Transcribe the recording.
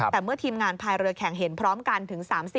แต่เมื่อทีมงานพายเรือแข่งเห็นพร้อมกันถึง๓๐